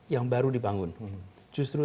yang baru dibangun justru